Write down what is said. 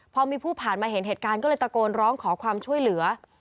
พอมีผู้ผ่านมาเห็นเหตุการณ์ก็เลยตะโกนร้องขอความช่วยเหลือ